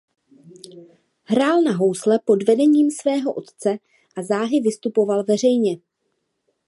Hrál na housle pod vedením svého otce a záhy vystupoval veřejně.